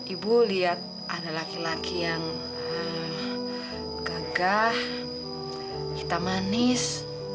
ibu lihat ada laki laki yang gagah kita manis